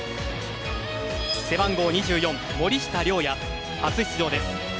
背番号２４・森下龍矢初出場です。